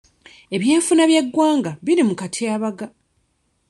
Ebyenfuna by'eggwanga biri mu katyabaga.